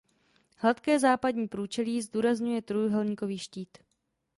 Hladké západní průčelí zdůrazňuje trojúhelníkový štít.